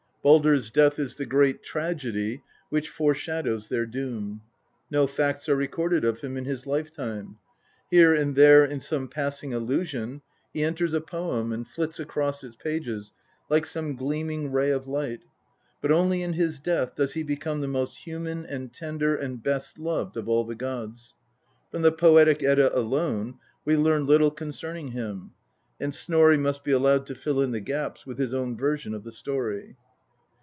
Baldr's death is the great tragedy which foreshadows their Doom. No facts are. recorded of him in his lifetime; here and there in some passing allusion he enters a poem and flits across its pag^s like some gleaming ray of light, but only in his death does he become the most human and" tender and best loved of all the gods. From the poetic Edda alone we learn little concerning him, and Snorri must be allowed to fill in the gaps with his own version of the story.